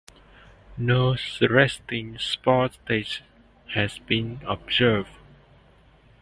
No resting spore stage has been observed.